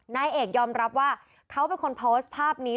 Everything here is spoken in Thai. นายเอกยอมรับว่าเขาเป็นคนโพสต์ภาพนี้